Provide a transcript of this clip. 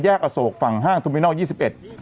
แยกอโศกฯฝั่งห้างทุมินัล๒๑